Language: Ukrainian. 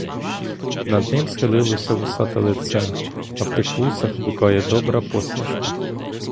Над ним схилилося вусате лице, а в тих вусах блукає добра посмішка.